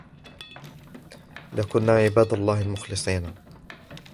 لَكُنَّا عِبَادَ اللَّهِ الْمُخْلَصِينَ